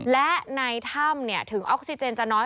และในถ้ำถึงออกซิเจนจะน้อย